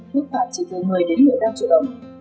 mức phạt chỉ từ một mươi đến một mươi năm triệu đồng